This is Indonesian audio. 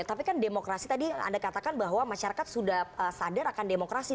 tapi kan demokrasi tadi anda katakan bahwa masyarakat sudah sadar akan demokrasi